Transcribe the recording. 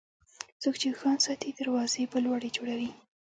څوک چې اوښان ساتي، دروازې به لوړې جوړوي.